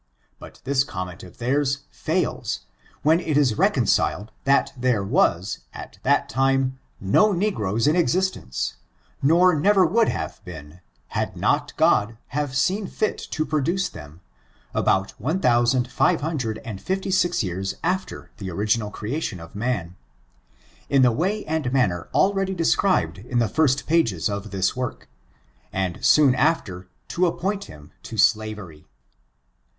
But this comment of thoiis fails, when it is recollected that there was, at that time, no negroes in existence, nor never would have been, had not Grod have seen fit to produce them, about one thousand five hundred and fifty six years after the original creation of man, in the way and manner already described on the first pages of this work, and soon after to appoint him to slavery.